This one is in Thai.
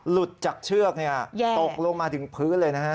หลุดจากเชือกนี่ตกลงมาดึงพื้นเลยนะครับ